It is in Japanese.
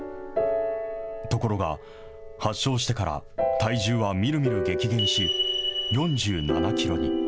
ところが、発症してから体重はみるみる激減し、４７キロに。